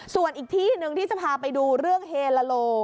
ส่วนอีกที่หนึ่งที่จะพาไปดูเรื่องเฮลาโล